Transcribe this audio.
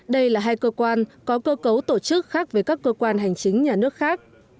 đây là hai cơ quan có cơ cấu tổ chức khác với các cơ quan hành chính nhà nước khác